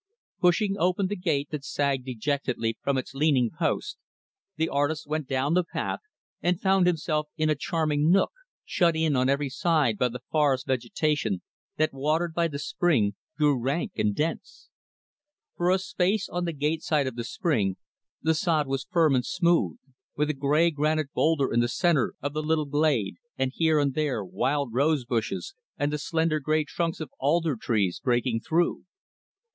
Pushing open the gate that sagged dejectedly from its leaning post, the artist went down the path, and found himself in a charming nook shut in on every side by the forest vegetation that, watered by the spring, grew rank and dense. For a space on the gate side of the spring, the sod was firm and smooth with a gray granite boulder in the center of the little glade, and, here and there, wild rose bushes and the slender, gray trunks of alder trees breaking through.